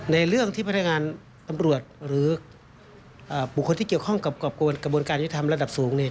เรื่องที่พนักงานตำรวจหรือบุคคลที่เกี่ยวข้องกับกรอบกระบวนการยุทธรรมระดับสูงเนี่ย